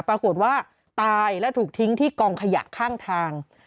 ปรากฏว่าตายและถูกทิ้งที่กองขยะข้างทาง